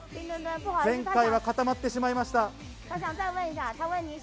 前回は固まってしまいました。